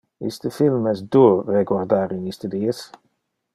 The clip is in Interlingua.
Iste film es dur reguardar in iste dies.